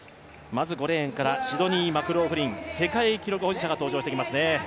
まず５レーンからシドニー・マクローフリン、世界記録保持者が登場してきますね。